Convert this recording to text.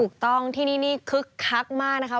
ถูกต้องที่นี่คึกคักมากนะครับ